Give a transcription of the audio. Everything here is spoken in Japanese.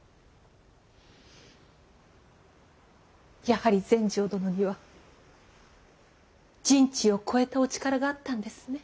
やはり全成殿には人知を超えたお力があったんですね。